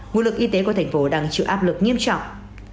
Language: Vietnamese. nguồn lực y tế của thành phố đang chịu áp lực nghiêm trọng